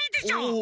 お。